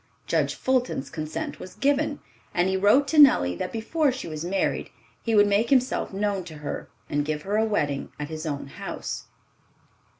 Judge Fulton's consent was given, and he wrote to Nellie that before she was married he would make himself known to her, and give her a wedding at his own house.